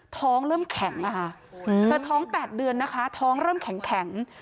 ท้องเริ่มแข็งนะคะเธอท้อง๘เดือนนะคะท้องเริ่มแข็ง